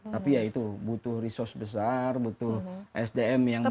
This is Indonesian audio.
tapi ya itu butuh resource besar butuh sdm yang baik